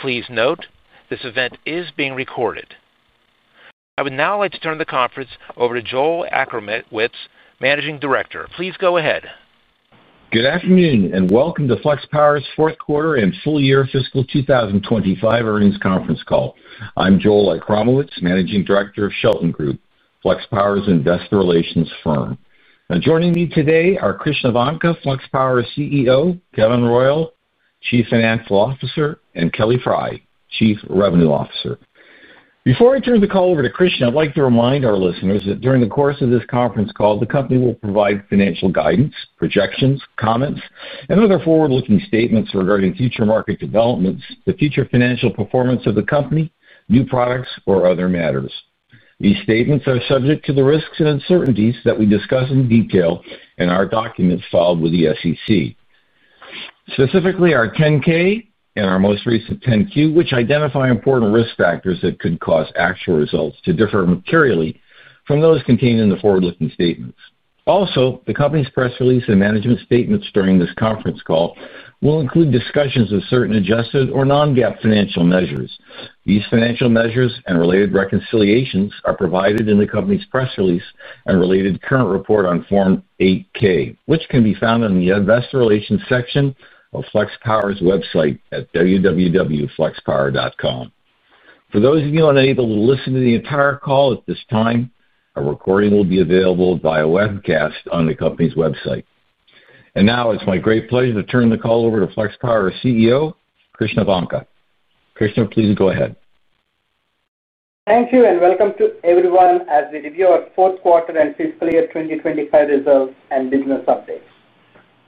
Please note this event is being recorded. I would now like to turn the conference over to Joel Achramowicz, Managing Director. Please go ahead. Good afternoon and welcome to Flux Power's Fourth Quarter and Full Year Fiscal 2025 Earnings Conference Call. I'm Joel Achramowicz, Managing Director of Shelton Group, Flux Power's investor relations firm. Joining me today are Krishna Vanka, Flux Power's CEO, Kevin Royal, Chief Financial Officer, and Kelly Frey, Chief Revenue Officer. Before I turn the call over to Krishna, I'd like to remind our listeners that during the course of this conference call, the company will provide financial guidance, projections, comments, and other forward-looking statements regarding future market developments, the future financial performance of the company, new products, or other matters. These statements are subject to the risks and uncertainties that we discuss in detail in our documents filed with the SEC. Specifically, our Form 10-K and our most recent Form 10-Q, which identify important risk factors that could cause actual results to differ materially from those contained in the forward-looking statements. Also, the company's press release and management statements during this conference call will include discussions of certain adjusted or non-GAAP financial measures. These financial measures and related reconciliations are provided in the company's press release and related current report on Form 8-K, which can be found in the Investor Relations section of Flux Power's website at www.fluxpower.com. For those of you unable to listen to the entire call at this time, a recording will be available via webcast on the company's website. Now it's my great pleasure to turn the call over to Flux Power's CEO, Krishna Vanka. Krishna, please go ahead. Thank you and welcome to everyone as we review our fourth quarter and fiscal year 2025 results and business updates.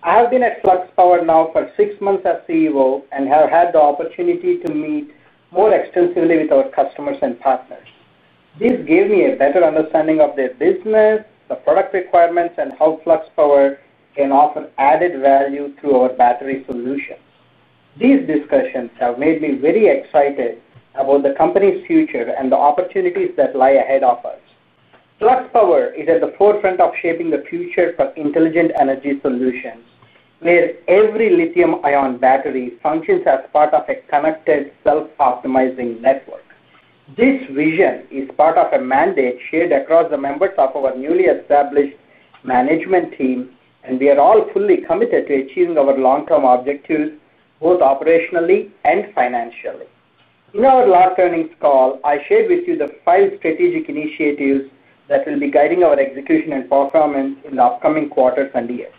I have been at Flux Power now for six months as CEO and have had the opportunity to meet more extensively with our customers and partners. This gave me a better understanding of their business, the product requirements, and how Flux Power can offer added value through our battery solutions. These discussions have made me very excited about the company's future and the opportunities that lie ahead of us. Flux Power is at the forefront of shaping the future for intelligent energy solutions, where every lithium-ion battery functions as part of a connected, self-optimizing network. This vision is part of a mandate shared across the members of our newly established management team, and we are all fully committed to achieving our long-term objectives, both operationally and financially. In our last earnings call, I shared with you the five strategic initiatives that will be guiding our execution and performance in the upcoming quarters and years.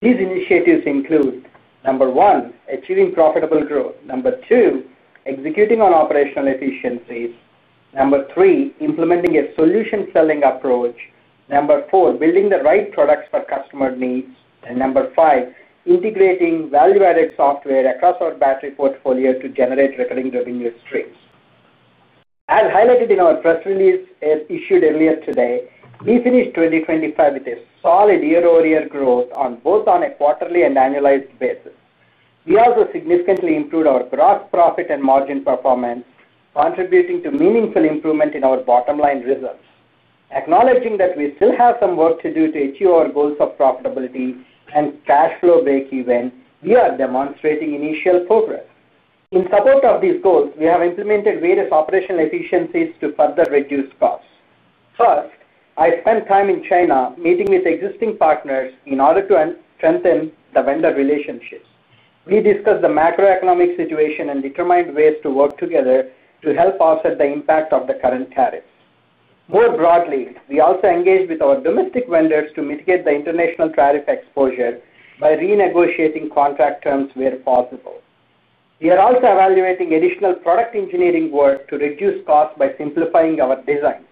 These initiatives include, number one, achieving profitable growth; number two, executing on operational efficiency; number three, implementing a solution selling approach; number four, building the right products for customer needs; and number five, integrating value-added software across our battery portfolio to generate recurring revenue streams. As highlighted in our press release issued earlier today, we finished 2025 with a solid year-over-year growth on both a quarterly and annualized basis. We also significantly improved our gross profit and margin performance, contributing to meaningful improvement in our bottom-line results. Acknowledging that we still have some work to do to achieve our goals of profitability and cash flow breakeven, we are demonstrating initial progress. In support of these goals, we have implemented various operational efficiencies to further reduce costs. First, I spent time in China, meeting with existing partners in order to strengthen the vendor relationships. We discussed the macroeconomic situation and determined ways to work together to help offset the impact of the current tariffs. More broadly, we also engaged with our domestic vendors to mitigate the international tariff exposure by renegotiating contract terms where possible. We are also evaluating additional product engineering work to reduce costs by simplifying our design.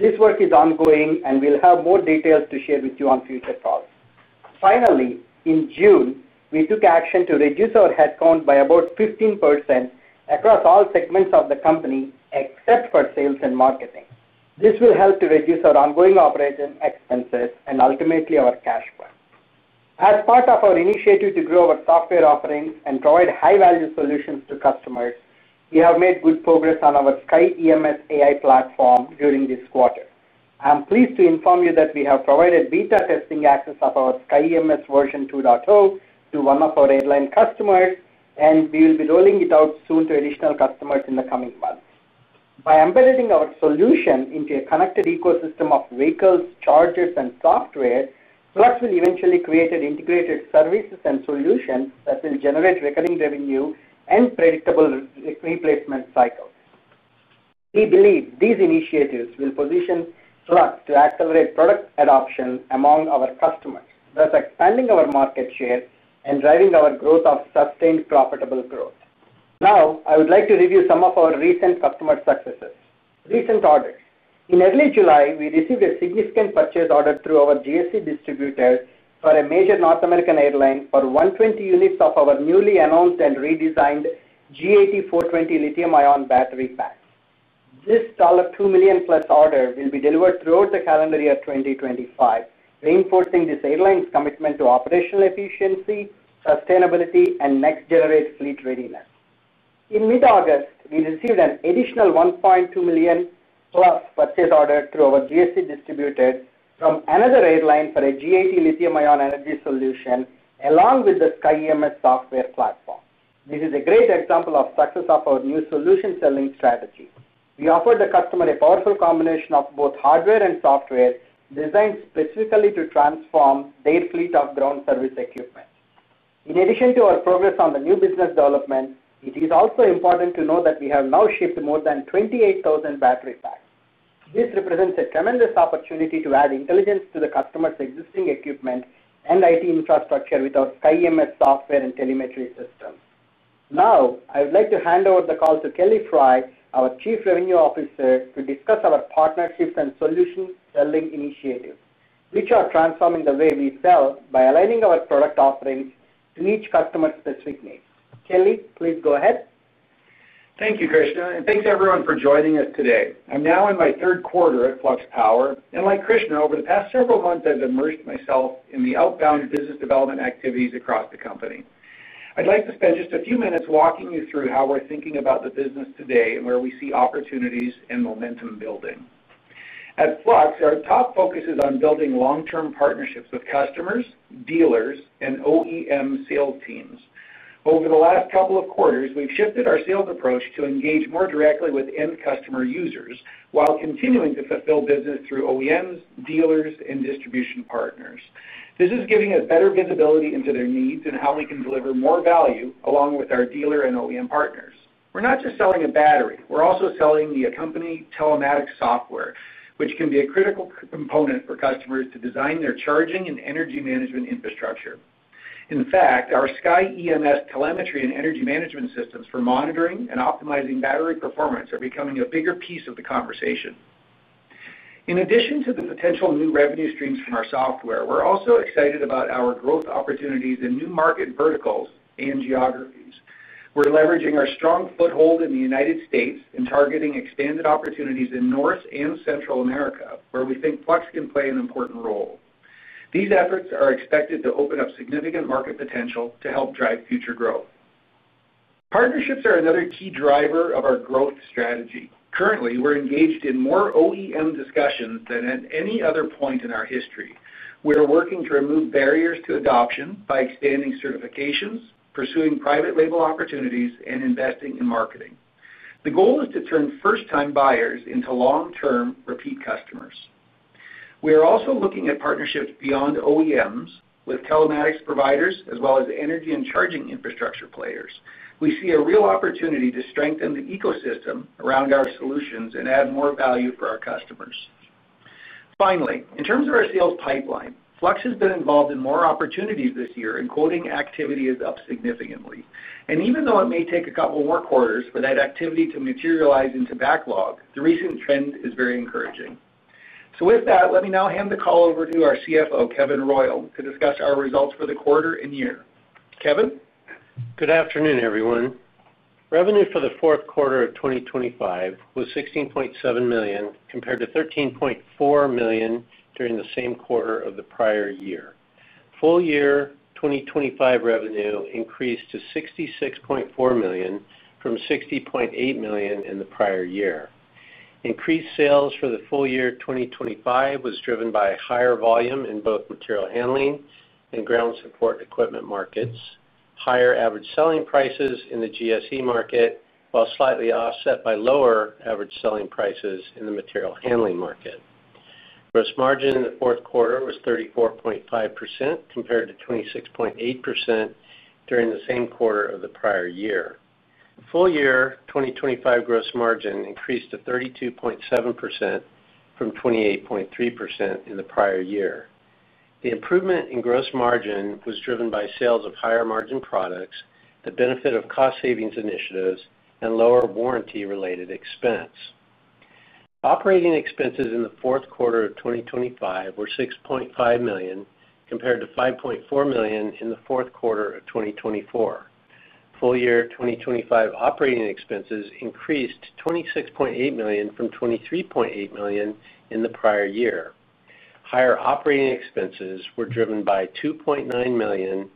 This work is ongoing and we'll have more details to share with you on future calls. Finally, in June, we took action to reduce our headcount by about 15% across all segments of the company, except for Sales and Marketing. This will help to reduce our ongoing operating expenses and ultimately our cash flow. As part of our initiative to grow our software offerings and provide high-value solutions to customers, we have made good progress on our SkyEMS AI platform during this quarter. I'm pleased to inform you that we have provided beta testing access of our SkyEMS 2.0 to one of our airline customers, and we will be rolling it out soon to additional customers in the coming months. By embedding our solution into a connected ecosystem of vehicles, chargers, and software, Flux will eventually create an integrated service and solution that will generate recurring revenue and predictable replacement cycles. We believe these initiatives will position Flux to accelerate product adoption among our customers, thus expanding our market share and driving our growth of sustained profitable growth. Now, I would like to review some of our recent customer successes. Recent orders. In early July, we received a significant purchase order through our GSC distributor for a major North American airline for 120 units of our newly announced and redesigned G80-420 lithium-ion battery pack. This $2+ million order will be delivered throughout the calendar year 2025, reinforcing this airline's commitment to operational efficiency, sustainability, and next-generation fleet readiness. In mid-August, we received an additional $1.2+ million purchase order through our GSC distributor from another airline for a G80 lithium-ion energy solution along with the SkyEMS software platform. This is a great example of the success of our new solution selling strategy. We offered the customer a powerful combination of both hardware and software designed specifically to transform their fleet of ground service equipment. In addition to our progress on the new business development, it is also important to note that we have now shipped more than 28,000 battery packs. This represents a tremendous opportunity to add intelligence to the customer's existing equipment and IT infrastructure with our SkyEMS software and telemetry solutions. Now, I would like to hand over the call to Kelly Frey, our Chief Revenue Officer, to discuss our partnerships and solution selling initiatives, which are transforming the way we sell by aligning our product offerings to each customer's specific needs. Kelly, please go ahead. Thank you, Krishna, and thanks everyone for joining us today. I'm now in my third quarter at Flux Power, and like Krishna, over the past several months, I've immersed myself in the outbound business development activities across the company. I'd like to spend just a few minutes walking you through how we're thinking about the business today and where we see opportunities and momentum building. At Flux, our top focus is on building long-term partnerships with customers, dealers, and OEM sales teams. Over the last couple of quarters, we've shifted our sales approach to engage more directly with end-customer users while continuing to fulfill business through OEMs, dealers, and distribution partners. This is giving us better visibility into their needs and how we can deliver more value along with our dealer and OEM partners. We're not just selling a battery; we're also selling the company's telematics software, which can be a critical component for customers to design their charging and energy management infrastructure. In fact, our SkyEMS telemetry and energy management systems for monitoring and optimizing battery performance are becoming a bigger piece of the conversation. In addition to the potential new revenue streams from our software, we're also excited about our growth opportunities in new market verticals and geographies. We're leveraging our strong foothold in the United States and targeting expanded opportunities in North and Central America, where we think Flux can play an important role. These efforts are expected to open up significant market potential to help drive future growth. Partnerships are another key driver of our growth strategy. Currently, we're engaged in more OEM discussions than at any other point in our history. We're working to remove barriers to adoption by expanding certifications, pursuing private label opportunities, and investing in marketing. The goal is to turn first-time buyers into long-term repeat customers. We are also looking at partnerships beyond OEMs with telematics providers as well as energy and charging infrastructure players. We see a real opportunity to strengthen the ecosystem around our solutions and add more value for our customers. Finally, in terms of our sales pipeline, Flux has been involved in more opportunities this year, and quoting activity is up significantly. Even though it may take a couple more quarters for that activity to materialize into backlog, the recent trend is very encouraging. With that, let me now hand the call over to our CFO, Kevin Royal, to discuss our results for the quarter and year. Kevin? Good afternoon, everyone. Revenue for the fourth quarter of 2025 was $16.7 million compared to $13.4 million during the same quarter of the prior year. Full-year 2025 revenue increased to $66.4 million from $60.8 million in the prior year. Increased sales for the full year 2025 was driven by higher volume in both material handling and ground support equipment markets, higher average selling prices in the GSE market, while slightly offset by lower average selling prices in the material handling market. Gross margin in the fourth quarter was 34.5% compared to 26.8% during the same quarter of the prior year. Full-year 2025 gross margin increased to 32.7% from 28.3% in the prior year. The improvement in gross margin was driven by sales of higher margin products, the benefit of cost-savings initiatives, and lower warranty-related expense. Operating expenses in the fourth quarter of 2025 were $6.5 million compared to $5.4 million in the fourth quarter of 2024. Full-year 2025 operating expenses increased to $26.8 million from $23.8 million in the prior year. Higher operating expenses were driven by $2.9 million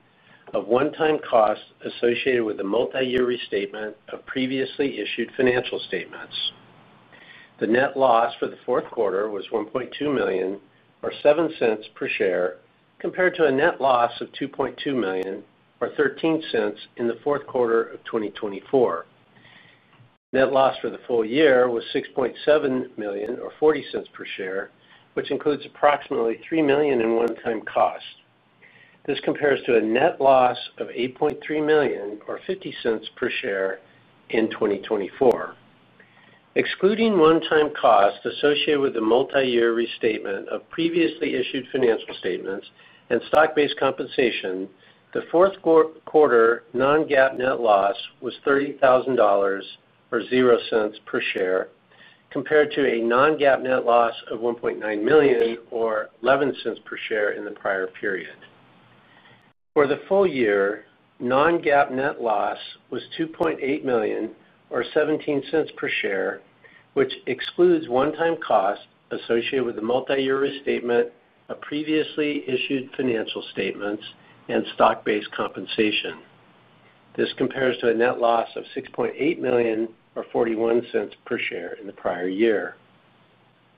of one-time costs associated with the multi-year restatement of previously issued financial statements. The net loss for the fourth quarter was $1.2 million, or $0.07 per share, compared to a net loss of $2.2 million, or $0.13 per share in the fourth quarter of 2024. Net loss for the full year was $6.7 million, or $0.40 per share, which includes approximately $3 million in one-time costs. This compares to a net loss of $8.3 million, or $0.50 per share in 2024. Excluding one-time costs associated with the multi-year restatement of previously issued financial statements and stock-based compensation, the fourth quarter non-GAAP net loss was $30,000, or $0.00 per share, compared to a non-GAAP net loss of $1.9 million, or $0.11 per share in the prior period. For the full year, non-GAAP net loss was $2.8 million, or $0.17 per share, which excludes one-time costs associated with the multi-year restatement of previously issued financial statements and stock-based compensation. This compares to a net loss of $6.8 million, or $0.41 per share in the prior year.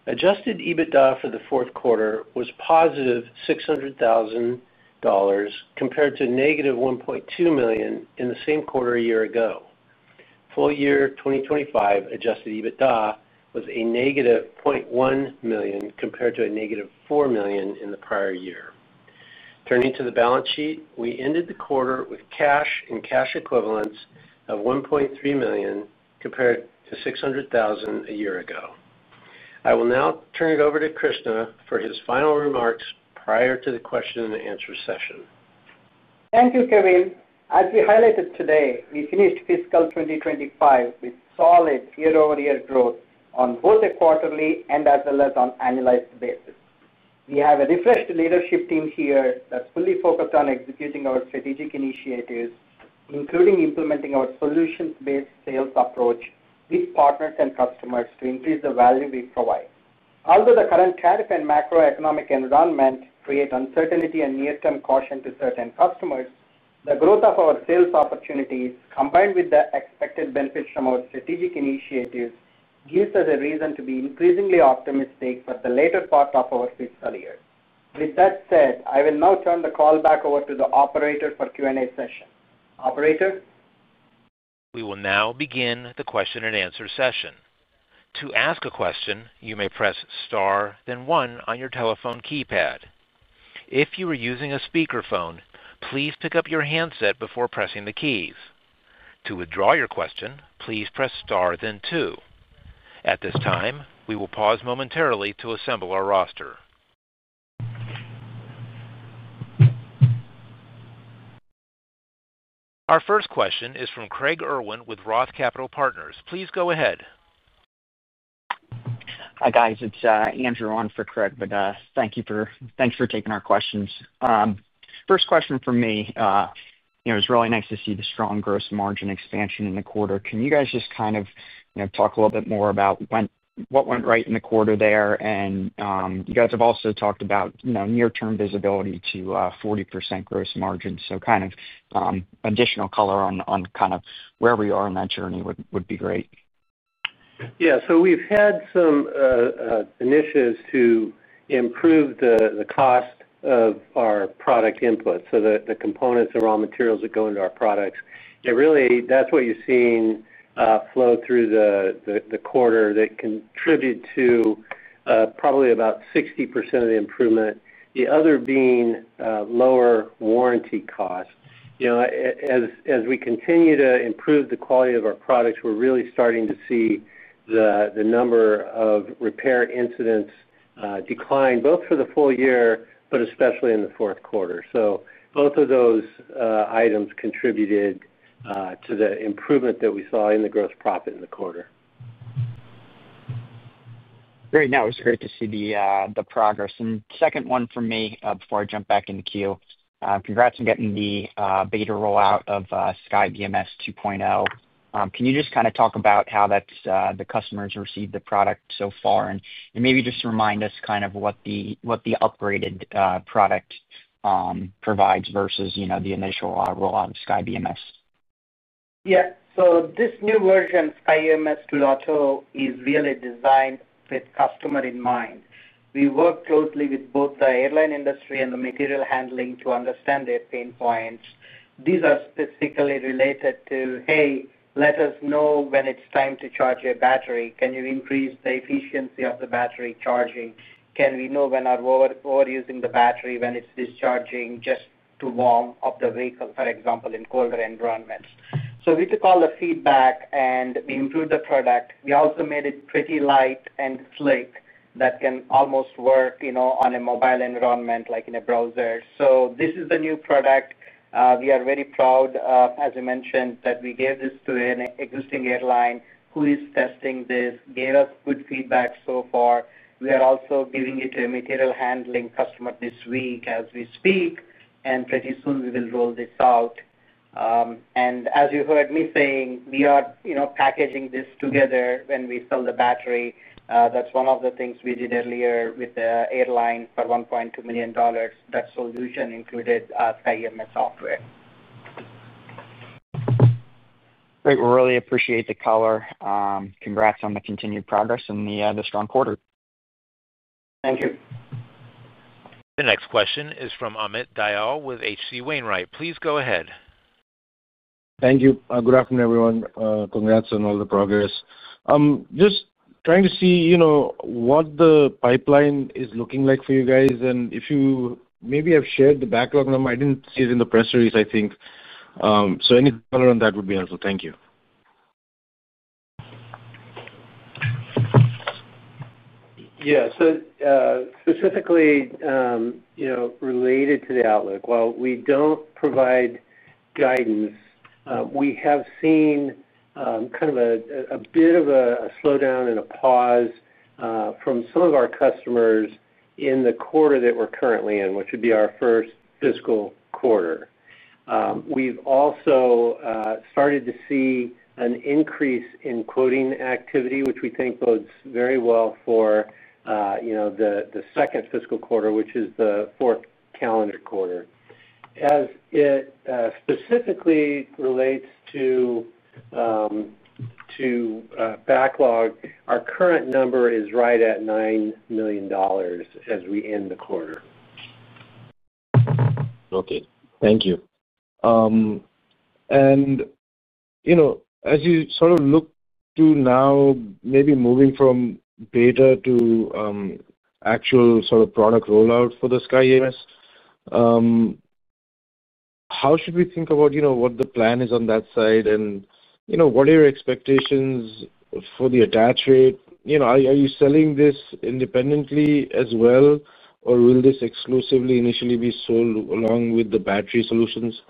Adjusted EBITDA for the fourth quarter was $600,000+ compared to $1.2- million in the same quarter a year ago. Full-year 2025 adjusted EBITDA was a $0.1- million compared to a $4- million in the prior year. Turning to the balance sheet, we ended the quarter with cash and cash equivalents of $1.3 million compared to $600,000 a year ago. I will now turn it over to Krishna for his final remarks prior to the question and answer session. Thank you, Kevin. As we highlighted today, we finished fiscal 2025 with solid year-over-year growth on both a quarterly and as well as on annualized basis. We have a refreshed leadership team here that's fully focused on executing our strategic initiatives, including implementing our solutions-based sales approach with partners and customers to increase the value we provide. Although the current tariff and macroeconomic environment create uncertainty and near-term caution to certain customers, the growth of our sales opportunities, combined with the expected benefits from our strategic initiatives, gives us a reason to be increasingly optimistic for the later part of our fiscal year. With that said, I will now turn the call back over to the operator for Q&A session. Operator? We will now begin the question and answer session. To ask a question, you may press star, then one on your telephone keypad. If you are using a speakerphone, please pick up your handset before pressing the keys. To withdraw your question, please press star, then two. At this time, we will pause momentarily to assemble our roster. Our first question is from Craig Irwin with ROTH Capital Partners. Please go ahead. Hi, guys. It's Andrew on for Craig, but thank you for taking our questions. First question from me, it was really nice to see the strong gross margin expansion in the quarter. Can you guys just talk a little bit more about what went right in the quarter there? You guys have also talked about near-term visibility to 40% gross margin. Additional color on wherever you are in that journey would be great. Yeah, we've had some initiatives to improve the cost of our product input. The components and raw materials that go into our products, that's what you're seeing flow through the quarter that contributed to probably about 60% of the improvement. The other being lower warranty costs. As we continue to improve the quality of our products, we're really starting to see the number of repair incidents decline both for the full year, but especially in the fourth quarter. Both of those items contributed to the improvement that we saw in the gross profit in the quarter. Great. It was great to see the progress. Second one for me, before I jump back in the queue, congrats on getting the beta rollout of SkyEMS 2.0. Can you just kind of talk about how that's, the customers received the product so far? Maybe just remind us kind of what the upgraded product provides versus, you know, the initial rollout of SkyEMS? Yeah, so this new version, SkyEMS 2.0, is really designed with customers in mind. We work closely with both the airline industry and material handling to understand their pain points. These are specifically related to, hey, let us know when it's time to charge your battery. Can you increase the efficiency of the battery charging? Can we know when we're overusing the battery, when it's discharging, just to warm up the vehicle, for example, in colder environments? We took all the feedback and we improved the product. We also made it pretty light and slick so it can almost work, you know, on a mobile environment, like in a browser. This is a new product. We are very proud, as I mentioned, that we gave this to an existing airline who is testing this and gave us good feedback so far. We are also giving it to a material handling customer this week as we speak, and pretty soon we will roll this out. As you heard me saying, we are, you know, packaging this together when we sell the battery. That's one of the things we did earlier with the airline for $1.2 million. That solution included SkyEMS software. Great. We really appreciate the color. Congrats on the continued progress in the strong quarter. Thank you. The next question is from Amit Dayal with H.C. Wainwright. Please go ahead. Thank you. Good afternoon, everyone. Congrats on all the progress. I'm just trying to see what the pipeline is looking like for you guys, and if you maybe have shared the backlog number. I didn't see it in the press release, I think. Any color on that would be helpful. Thank you. Yeah, so specifically, you know, related to the outlook, while we don't provide guidance, we have seen kind of a bit of a slowdown and a pause from some of our customers in the quarter that we're currently in, which would be our first fiscal quarter. We've also started to see an increase in quoting activity, which we think bodes very well for, you know, the second fiscal quarter, which is the fourth calendar quarter. As it specifically relates to backlog, our current number is right at $9 million as we end the quarter. Thank you. As you sort of look to now, maybe moving from beta to actual sort of product rollout for the SkyEMS, how should we think about what the plan is on that side and what are your expectations for the attach rate? Are you selling this independently as well, or will this exclusively initially be sold along with the battery solutions?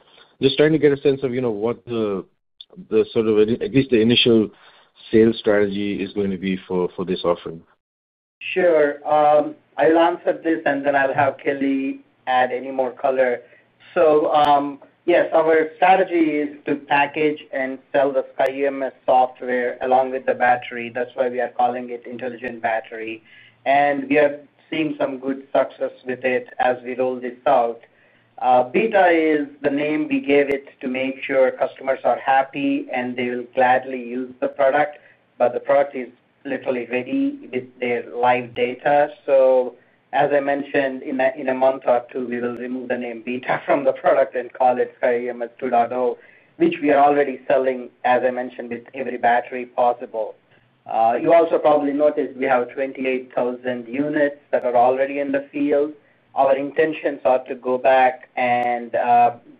Just trying to get a sense of what the, at least the initial sales strategy is going to be for this offering. Sure. I'll answer this, and then I'll have Kelly add any more color. Yes, our strategy is to package and sell the SkyEMS software along with the battery. That's why we are calling it Intelligent Battery. We are seeing some good success with it as we roll this out. Beta is the name we gave it to make sure customers are happy and they will gladly use the product. The product is literally ready with their live data. As I mentioned, in a month or two, we will remove the name Beta from the product and call it SkyEMS 2.0, which we are already selling, as I mentioned, with every battery possible. You also probably noticed we have 28,000 units that are already in the field. Our intentions are to go back and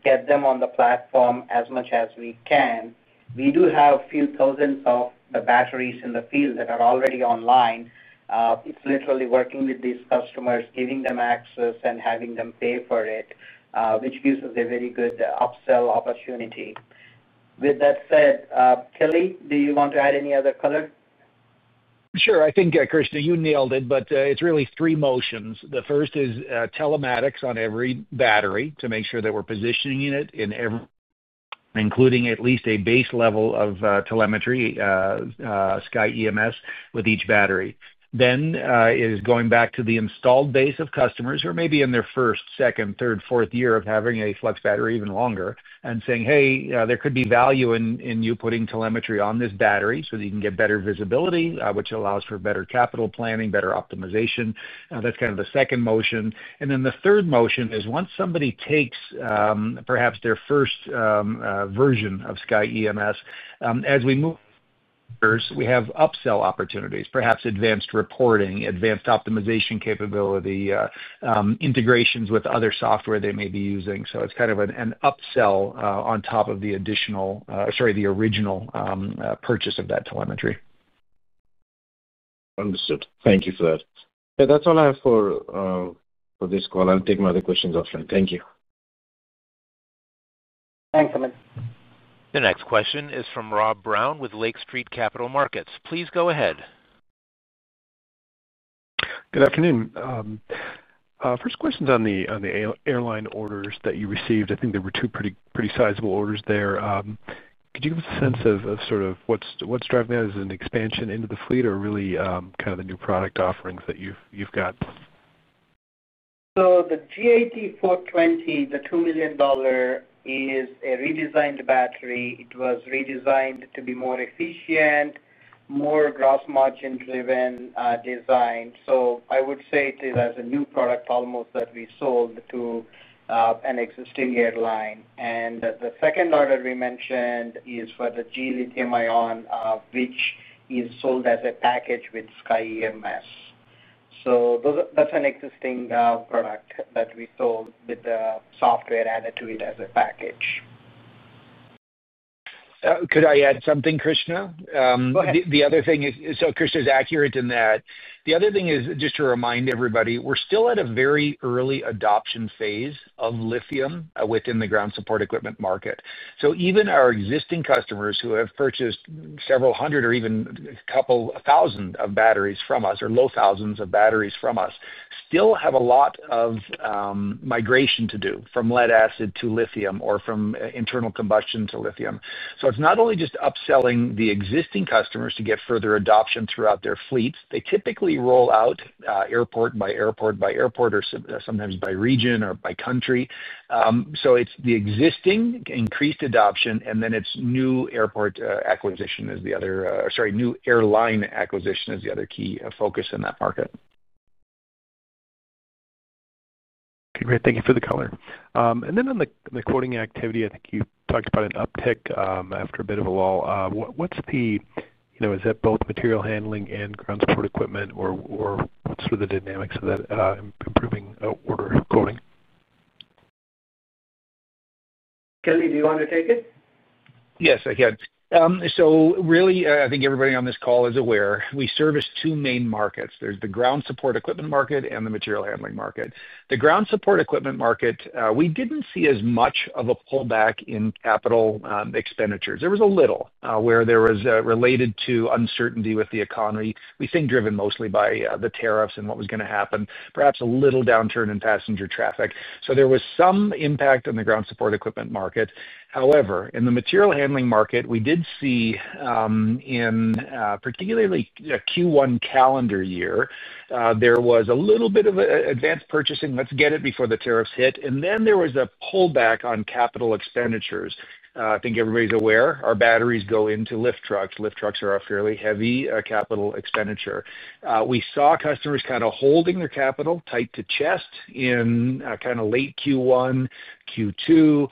get them on the platform as much as we can. We do have a few thousands of batteries in the field that are already online. It's literally working with these customers, giving them access, and having them pay for it, which gives us a very good upsell opportunity. With that said, Kelly, do you want to add any other color? Sure. I think, Krishna, you nailed it, but it's really three motions. The first is telematics on every battery to make sure that we're positioning it in every, including at least a base level of telemetry, SkyEMS with each battery. Then, it is going back to the installed base of customers who are maybe in their first, second, third, fourth year of having a Flux battery, even longer, and saying, "Hey, there could be value in you putting telemetry on this battery so that you can get better visibility, which allows for better capital planning, better optimization." That's kind of the second motion. The third motion is once somebody takes, perhaps their first version of SkyEMS, as we move, we have upsell opportunities, perhaps advanced reporting, advanced optimization capability, integrations with other software they may be using. It's kind of an upsell on top of the original purchase of that telemetry. Understood. Thank you for that. That's all I have for this call. I'll take my other questions after. Thank you. Thanks, Amit. The next question is from Rob Brown with Lake Street Capital. Please go ahead. Good afternoon. First question is on the airline orders that you received. I think there were two pretty sizable orders there. Could you give us a sense of what's driving that? Is it an expansion into the fleet or really, kind of the new product offerings that you've got? The G80-420, the $2 million, is a redesigned battery. It was redesigned to be more efficient, more gross margin-driven, design. I would say it is as a new product almost that we sold to an existing airline. The second order we mentioned is for the G lithium-ion, which is sold as a package with SkyEMS. Those are, that's an existing product that we sold with the software added to it as a package. Could I add something, Krishna? Go ahead. The other thing is, Krishna is accurate in that. The other thing is, just to remind everybody, we're still at a very early adoption phase of lithium within the ground support equipment market. Even our existing customers who have purchased several hundred or even a couple thousand of batteries from us, or low thousands of batteries from us, still have a lot of migration to do from lead acid to lithium or from internal combustion to lithium. It's not only just upselling the existing customers to get further adoption throughout their fleets. They typically roll out airport by airport by airport or sometimes by region or by country. It's the existing increased adoption, and then it's new airport acquisition, or sorry, new airline acquisition is the other key focus in that market. Okay, great. Thank you for the color. On the quoting activity, I think you talked about an uptick after a bit of a lull. Is that both material handling and ground support equipment, or what's sort of the dynamics of that improving order going? Kelly, do you want to take it? Yes, I can. I think everybody on this call is aware, we service two main markets. There's the ground support equipment market and the material handling market. The ground support equipment market, we didn't see as much of a pullback in capital expenditures. There was a little where there was related to uncertainty with the economy. We think driven mostly by the tariffs and what was going to happen, perhaps a little downturn in passenger traffic. There was some impact on the ground support equipment market. However, in the material handling market, we did see, in particularly Q1 calendar year, there was a little bit of advanced purchasing. Let's get it before the tariffs hit. There was a pullback on capital expenditures. I think everybody's aware, our batteries go into lift trucks. Lift trucks are a fairly heavy capital expenditure. We saw customers kind of holding their capital tight to chest in kind of late Q1, Q2.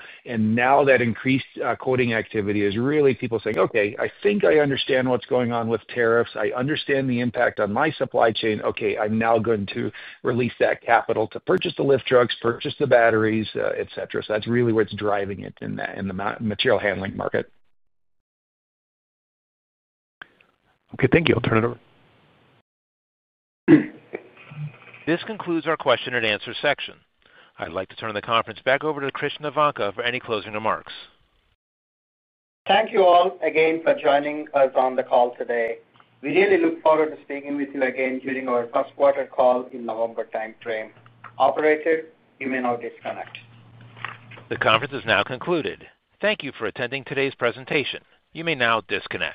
Now that increased quoting activity is really people saying, "Okay, I think I understand what's going on with tariffs. I understand the impact on my supply chain. Okay, I'm now going to release that capital to purchase the lift trucks, purchase the batteries, etc." That's really where it's driving it in the material handling market. Okay, thank you. I'll turn it over. This concludes our question and answer section. I'd like to turn the conference back over to Krishna Vanka for any closing remarks. Thank you all again for joining us on the call today. We really look forward to speaking with you again during our first quarter call in the longer timeframe. Operator, you may now disconnect. The conference is now concluded. Thank you for attending today's presentation. You may now disconnect.